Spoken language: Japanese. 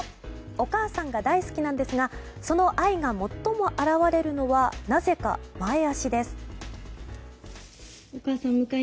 お母さんが大好きなんですがその愛が最も表れるのはなぜか前脚です。